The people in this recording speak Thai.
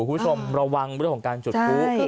คุณผู้ชมระวังด้วยของการจุดพุทธ